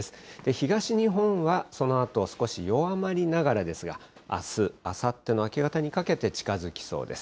東日本はそのあと少し弱まりながらですが、あす、あさっての明け方にかけて近づきそうです。